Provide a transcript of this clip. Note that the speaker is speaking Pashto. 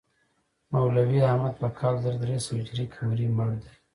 مولوي احمد په کال زر درې سوه هجري قمري مړ دی.